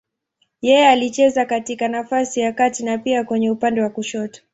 Yeye alicheza katika nafasi ya kati na pia kwenye upande wa kushoto.